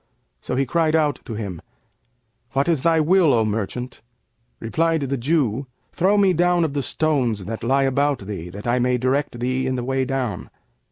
So he cried out to him, 'What is thy will, O merchant?' Replied the Jew, 'Throw me down of the stones that lie about thee, that I may direct thee in the way down.'